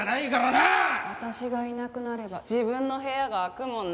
私がいなくなれば自分の部屋が空くもんね。